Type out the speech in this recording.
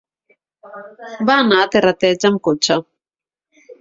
Va anar a Terrateig amb cotxe.